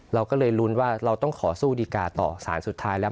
เราก็เลยลุ้นว่าเราต้องขอสู้ดีกาต่อสารสุดท้ายแล้ว